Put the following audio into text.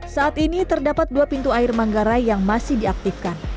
saat ini terdapat dua pintu air manggarai yang masih diaktifkan